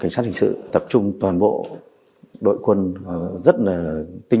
xin chào các bạn